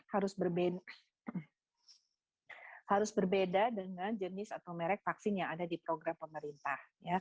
harus berbeda harus berbeda dengan jenis atau merek vaksin yang ada di program pemerintah